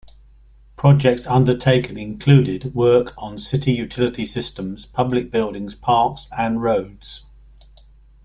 Projects undertaken included work on city utility systems, public buildings, parks, and roads.